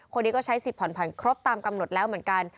คนนี้ก็ใช้สิทธิผ่อนผันครบตามกำหนดแล้วเหมือนกัน